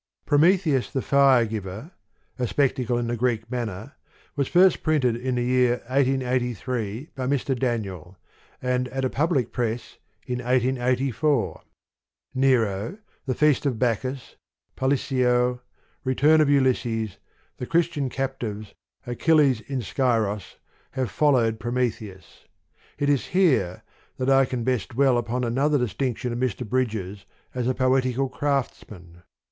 Prometheus the Firegiver : A Spectacle in the Greek Manner was first printed in the year 1883, by Mr. Daniel, and at a public press in 1884 : Nero, The Feast of Bacchus, Palicio, Return of Ulysses, The Christian Captives, Achilles in Scyros, have followed Prometheus. It is here, that I can best dwell upon another distinction of Mr. Bridges, as a poetical craftsman.